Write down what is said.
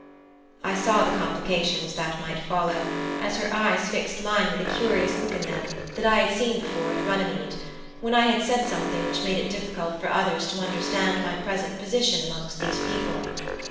I saw the complications that might follow, as her eyes fixed mine with a curious look in them, that I had seen before at Runnymede, when I had said something which made it difficult for others to understand my present position amongst these people.